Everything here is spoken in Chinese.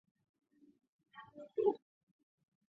陈霸先墓的历史年代为汉代。